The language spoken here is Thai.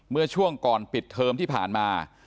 เมื่อช่วงก่อนปิดเทอมที่ผ่านมา